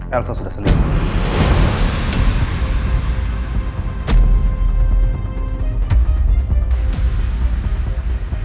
elsa sudah selingkuh